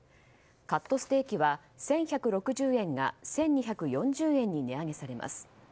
カットステーキは１１６０円が１２４０円に値上げされます。